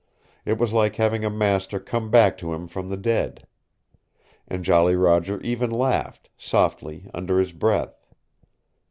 It was like having a master come back to him from the dead. And Jolly Roger even laughed, softly, under his breath.